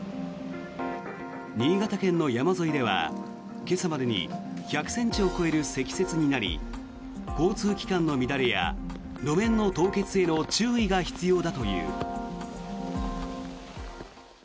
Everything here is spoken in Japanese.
新潟県の山沿いでは、今朝までに１００ｃｍを超える積雪になり交通機関の乱れや路面の凍結への注意が必要だという。